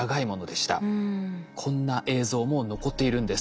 こんな映像も残っているんです。